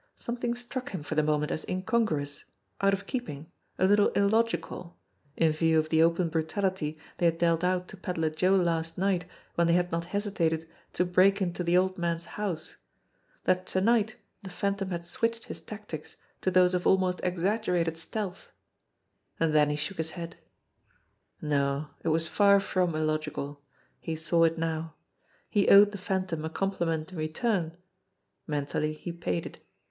Some thing struck him for the moment as incongruous, out of keeping, a little illogical, in view of the open brutality they had dealt out to Pedler Joe last night when they had not hesitated to break into the old man's house, that to night the Phantom had switched his tactics to those of almost exagger 92 THE HOUSE WITH THE BROKEN STAIRS 93 ated stealth. And then he shook his head. No it was far from illogical. He saw it now. He owed the Phantom a compliment in return. Mentally he paid it.